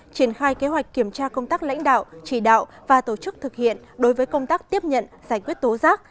triển khai kế hoạch kiểm tra công tác lãnh đạo chỉ đạo và tổ chức thực hiện đối với công tác tiếp nhận giải quyết tố giác